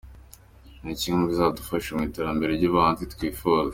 Iki ni kimwe mu bizadufasha mu iterambere ry’ubuhanzi twifuza.